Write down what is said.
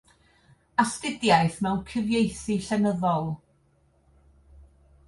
Astudiaeth mewn Cyfieithu Llenyddol.